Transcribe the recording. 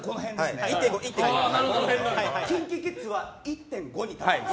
ＫｉｎＫｉＫｉｄｓは１．５なんです。